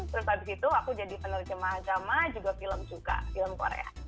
terus habis itu aku jadi penerjemah agama juga film juga film korea